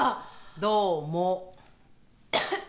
どうも。